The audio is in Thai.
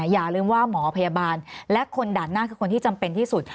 อย่าลืมว่าหมอพยาบาลและคนด่านหน้าคือคนที่จำเป็นที่สุด